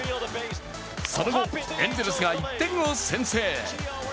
その後、エンゼルスが１点を先制。